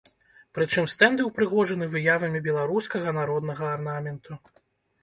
Прычым стэнды ўпрыгожаны выявамі беларускага народнага арнаменту.